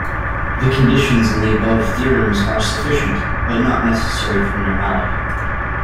The conditions in the above theorems are sufficient, but not necessary for normality.